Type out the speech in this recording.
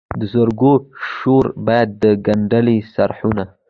د زرکو شور باندې ګندلې سحرونه